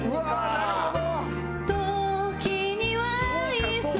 なるほど！